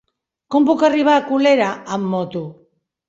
Com puc arribar a Colera amb moto?